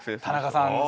田中さん